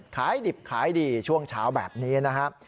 ขายดิบขายดีช่วงเช้าแบบนี้นะครับ